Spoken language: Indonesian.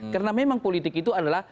karena memang politik itu adalah